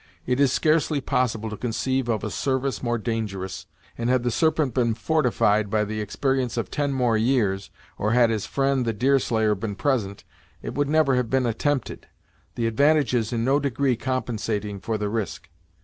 It is scarcely possible to conceive of a service more dangerous, and had the Serpent been fortified by the experience of ten more years, or had his friend the Deerslayer been present, it would never have been attempted; the advantages in no degree compensating for the risk.